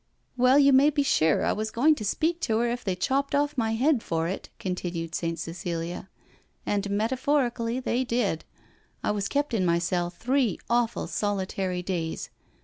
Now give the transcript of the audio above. " Well^ you may be sure I was going to speak to her if they chopped off my head for it," continued Saint Cecilia ;" and metaphorically they did — I was kept in my cell three awful solitary days.